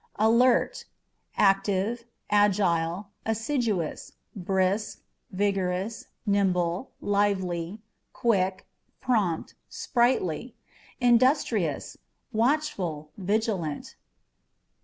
Alert â€" active, agile, assiduous, brisk, vigorous, nimble, lively, quick, prompt, sprightly ; industrious, watchful, vigilant.